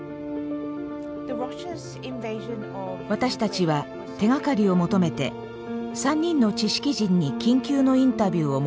私たちは手がかりを求めて３人の知識人に緊急のインタビューを申し込みました。